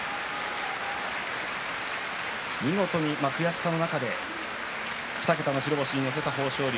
見事に、悔しさの中で２桁の白星に乗せた豊昇龍。